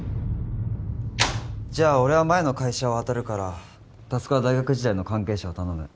じゃあ俺は前の会社を当たるから匡は大学時代の関係者を頼む。